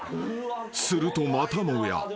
［するとまたもや］